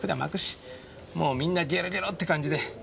もうみんなゲロゲロって感じで。